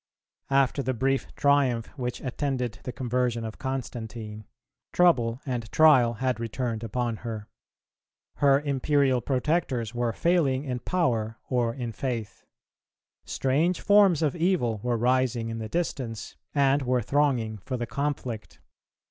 After the brief triumph which attended the conversion of Constantine, trouble and trial had returned upon her. Her imperial protectors were failing in power or in faith. Strange forms of evil were rising in the distance and were thronging for the conflict.